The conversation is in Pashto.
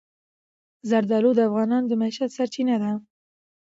زردالو د افغانانو د معیشت سرچینه ده.